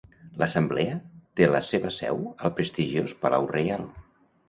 L'Assemblea té la seva seu al prestigiós Palau Reial.